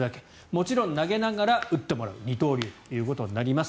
もちろん投げながら打ってもらう二刀流ということになります。